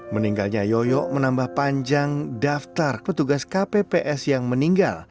meninggalnya yoyo menambah panjang daftar petugas kpps yang meninggal